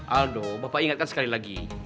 aldo bapak ingatkan sekali lagi